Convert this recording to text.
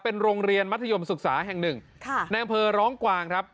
เป็นโรงเรียนมัธยมศึกษาแห่งหนึ่งในอำเภอร้องกวางครับ